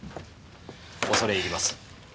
⁉恐れ入ります。